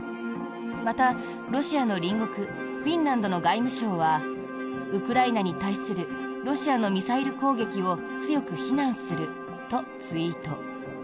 また、ロシアの隣国フィンランドの外務省はウクライナに対するロシアのミサイル攻撃を強く非難するとツイート。